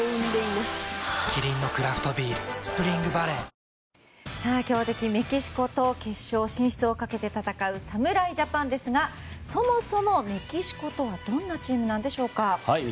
キリンのクラフトビール「スプリングバレー」強敵メキシコと決勝進出をかけて戦う侍ジャパンですがそもそもメキシコとはどんなチームなんでしょうか。